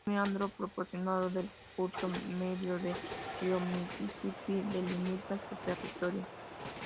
Un meandro pronunciado del curso medio del río Misisipí delimita su territorio.